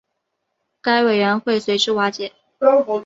该委员会随之瓦解。